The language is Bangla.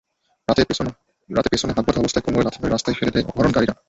রাতে পেছনে হাত বাঁধা অবস্থায় কোমরে লাথি মেরে রাস্তায় ফেলে দেয় অপহরণকারীরা।